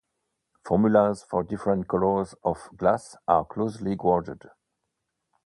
Formulas for different colors of glass are closely guarded.